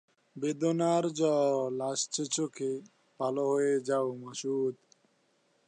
দু’টি বিধানসভা কেন্দ্রই কলকাতা দক্ষিণ লোকসভা কেন্দ্রের অন্তর্গত।